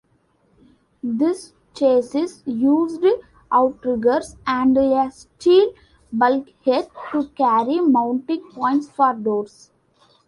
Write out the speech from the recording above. This chassis used outriggers and a steel bulkhead to carry mounting points for doors.